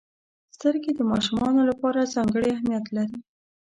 • سترګې د ماشومانو لپاره ځانګړې اهمیت لري.